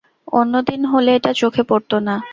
অন্যদিন হলে এটা চোখে পড়ত না।